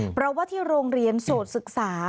เพราะว่าที่โรงเรียนโสดศึกษา